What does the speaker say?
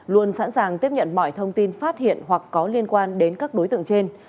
luôn sẵn sàng tiếp nhận mọi thông tin phát hiện hoặc có liên quan đến các đối tượng trên